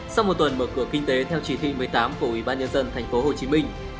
sau một tuần mở cửa kinh tế theo chỉ thị một mươi tám của ubnd tp hcm